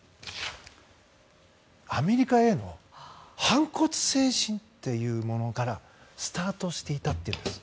アメリカへの反骨精神っていうものからスタートしていたということです。